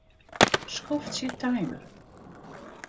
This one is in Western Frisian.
Skoftsje timer.